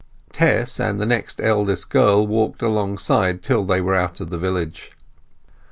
Tess and the next eldest girl walked alongside till they were out of the village.